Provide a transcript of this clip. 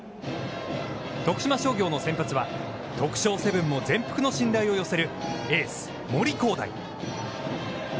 徳島商業の先発は徳商セブンも全幅の信頼を寄せるエース森煌誠。